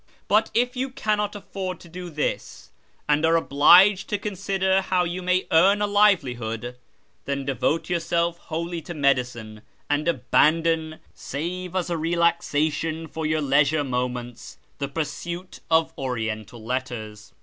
But if you cannot afford to do this, and are obliged to consider how you may earn a livelihood, then devote yourself wholly to medicine, and abandon, save as a relaxation for your leisure moments, the pursuit of Oriental letters.